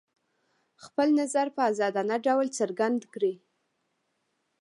خپل نظر په ازادانه ډول څرګند کړي.